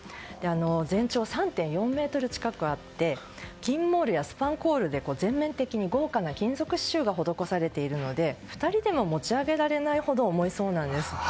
全長３．４ｍ近くあって金モールやスパンコールで全面的に豪華な金属刺しゅうが施されているので２人でも持ち上げられないほど重いそうなんです。